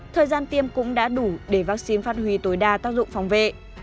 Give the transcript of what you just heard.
thời gian tiêm cũng đã đủ để vaccine phát huy tối đa tác dụng phòng vệ